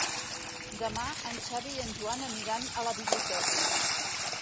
Demà en Xavi i en Joan aniran a la biblioteca.